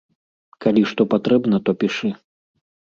Калі што патрэбна то пішы.